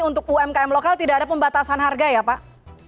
untuk umkm lokal tidak ada pembatasan harga ya pak